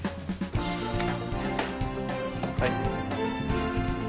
はい。